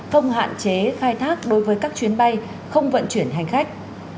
không hạn chế khai thác đối với các chuyến bay không vận chuyển hành khách